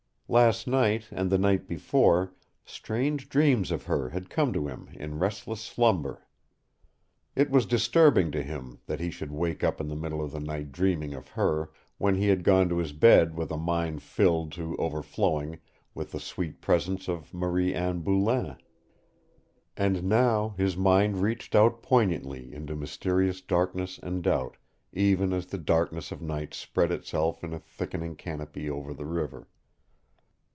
Last night and the night before, strange dreams of her had come to him in restless slumber. It was disturbing to him that he should wake up in the middle of the night dreaming of her, when he had gone to his bed with a mind filled to overflowing with the sweet presence of Marie Anne Boulain. And now his mind reached out poignantly into mysterious darkness and doubt, even as the darkness of night spread itself in a thickening canopy over the river.